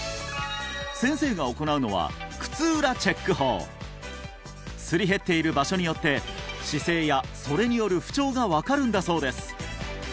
先生が行うのは靴裏チェック法すり減っている場所によって姿勢やそれによる不調が分かるんだそうです